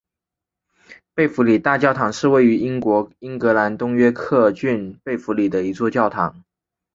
贝弗利大教堂是位于英国英格兰东约克郡贝弗利的一座教堂。